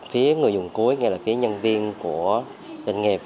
phía người dùng cuối nghĩa là phía nhân viên của doanh nghiệp